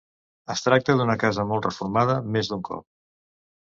Es tracta d'una casa molt reformada més d'un cop.